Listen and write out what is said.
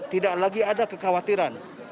tidak lagi ada kekhawatiran